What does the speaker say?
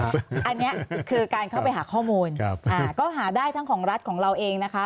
อันนี้คือการเข้าไปหาข้อมูลก็หาได้ทั้งของรัฐของเราเองนะคะ